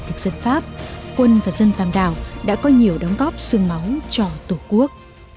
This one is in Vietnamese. thực dân pháp quân và dân tàm đảo đã có nhiều đóng góp sương máu cho tổ quốc